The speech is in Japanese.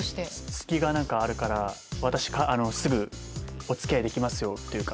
隙があるから私すぐお付き合いできますよっていうか。